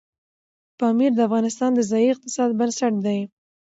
پامیر د افغانستان د ځایي اقتصادونو بنسټ دی.